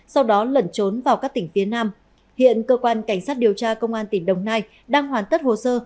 sau đó lẩn trốn vào các tỉnh phía nam hiện cơ quan cảnh sát điều tra công an tỉnh đồng nai đang hoàn tất hồ sơ